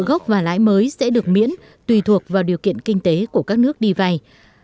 nợ gốc và lãi mới sẽ được miễn tùy thuộc vào điều kiện kinh tế của các nước đi vay